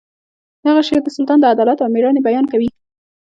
د هغه شعر د سلطان د عدالت او میړانې بیان کوي